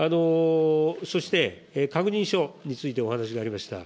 そして、確認書についてお話がありました。